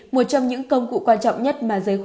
một trong những công cụ quan trọng nhất là biến chủng omicron